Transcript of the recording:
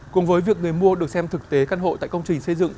cùng với việc người mua được xem thực tế căn hộ tại công trình xây dựng